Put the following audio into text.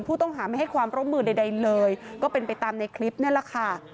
ผู้ต้องหาไม่ให้ความร่วมมือใดเลยก็เป็นไปตามในคลิปนี่แหละค่ะ